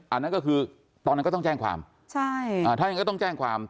อันนั้นก็คือตอนนั้นก็ต้องแจ้งความใช่อ่าถ้ายังก็ต้องแจ้งความ